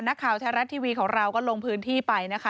นักข่าวไทยรัฐทีวีของเราก็ลงพื้นที่ไปนะคะ